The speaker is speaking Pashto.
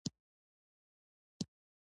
د افغانستان تیز توپ اچوونکي